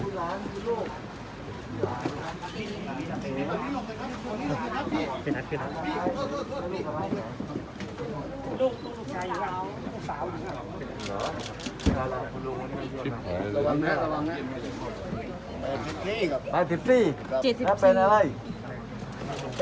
แล้วลูกหลานต้องเลี้ยงสิใช่ไหมนี่คือสังคมครอบครัวฝุกกรการีใช่ไหม